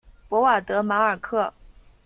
博瓦德马尔克。